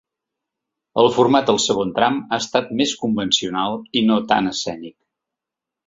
El format del segon tram ha estat més convencional i no tan escènic.